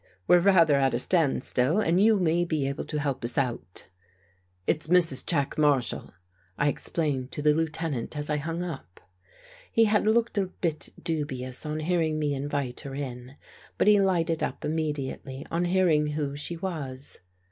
" We're rather at a stands still and you may be able to help us out." " It's Mrs. Jack Marshall," I explained to the Lieutenant as I hung up. He had looked a bit dubious on hearing me invite her in, but he lighted up immediately on hearing who she was.